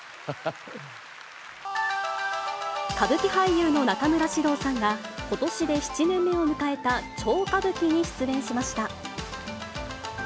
歌舞伎俳優の中村獅童さんが、ことしで７年目を迎えた超歌舞伎に出演しました。